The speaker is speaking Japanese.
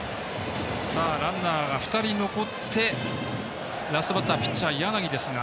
ランナーが２人残ってラストバッター、ピッチャー柳ですが。